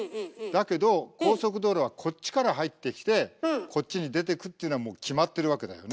だけど高速道路はこっちから入ってきてこっちに出てくっていうのはもう決まってるわけだよね。